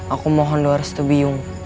aku mohon dua resit biung